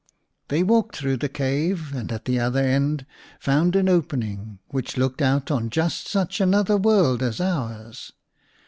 They walked through the cave and at the other end found an opening, which looked out on just such another world as ours.